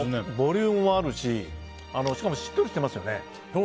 ボリュームもあるししかも、しっとりしてますよね。